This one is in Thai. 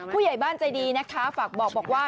ผู้ใหญ่บ้านใจดีนะคะฝากบอกว่า